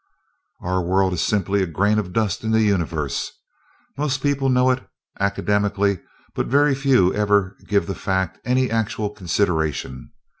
"Our world is simply a grain of dust in the Universe. Most people know it, academically, but very few ever give the fact any actual consideration.